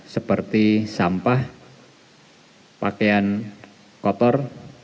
seperti sampah pakaian kotor